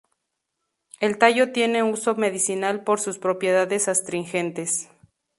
El tallo tiene uso medicinal por sus propiedades astringentes.